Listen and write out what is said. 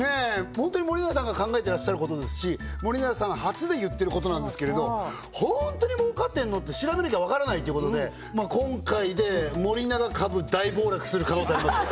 ホントに森永さんが考えてらっしゃることですし森永さん発で言ってることなんですけれどホントに儲かってんのって調べなきゃ分からないってことで今回で森永株大暴落する可能性ありますよ